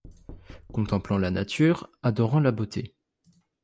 Contemplant la nature, adorant la beauté